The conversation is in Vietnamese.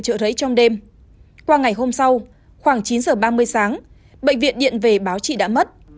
chữa cháy trong đêm qua ngày hôm sau khoảng chín giờ ba mươi sáng bệnh viện điện về báo chị đã mất